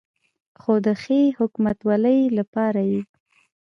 خو د ښې حکومتولې لپاره یې